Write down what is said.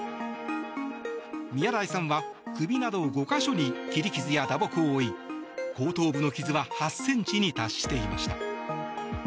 宮台さんは首など５か所に切り傷や打撲を負い後頭部の傷は８ｃｍに達していました。